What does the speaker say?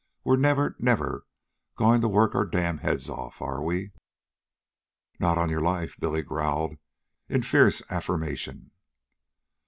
we're never, never going to work our damned heads off, are we?" "Not on your life," Billy growled in fierce affirmation.